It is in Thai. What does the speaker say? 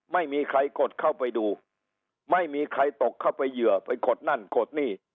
ไม่มีใครกดเข้าไปดูไม่มีใครตกเข้าไปเหยื่อไปกดนั่นกดนี่